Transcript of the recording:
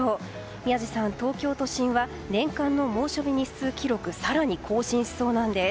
宮司さん、東京都心は年間の猛暑日日数記録を更に更新しそうなんです。